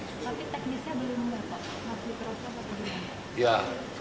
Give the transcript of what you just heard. tapi teknisnya belum berhasil